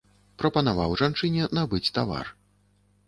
Прапанаваў жанчыне набыць тавар.